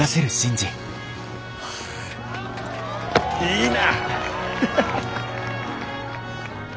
いいな！